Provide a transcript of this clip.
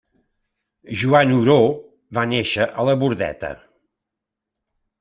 Joan Oró va néixer a la Bordeta.